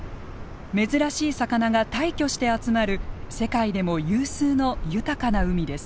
珍しい魚が大挙して集まる世界でも有数の豊かな海です。